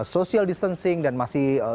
social distancing dan masih